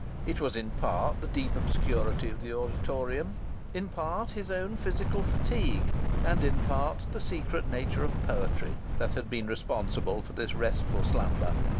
It was in part the deep obscurity of the auditorium, in part his own physical fatigue, and in part the secret nature of poetry that had been responsible for this restful slumber.